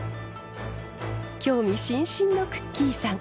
興味津々のくっきー！さん。